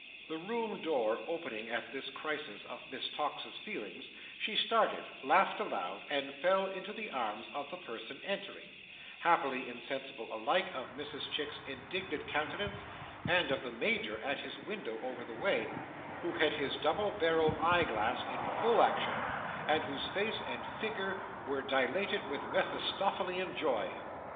The room door opening at this crisis of Miss Tox's feelings, she started, laughed aloud, and fell into the arms of the person entering; happily insensible alike of Mrs Chick's indignant countenance and of the Major at his window over the way, who had his double barrelled eye glass in full action, and whose face and figure were dilated with Mephistophelean joy.